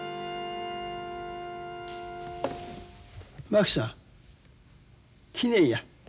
真紀さん記念や。